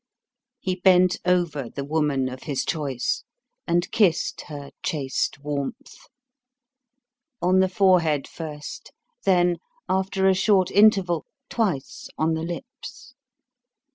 He bent over the woman of his choice and kissed her with chaste warmth. On the forehead first, then, after a short interval, twice on the lips.